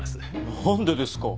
何でですか。